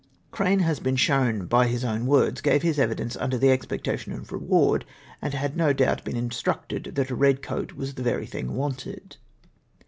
Crane, as has been shown by his own words, gave his evidence under the expectation of reward^ and had no doubt been instructed that a i ed coat was the very thing wanted.